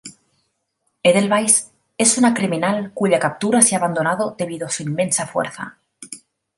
Edelweiss es una criminal cuya captura se ha abandonado debido a su inmensa fuerza.